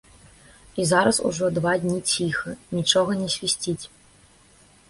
І зараз ужо два дні ціха, нічога не свісціць.